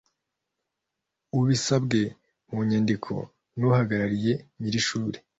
Abisabwe mu nyandiko n uhagarariye nyir ishuri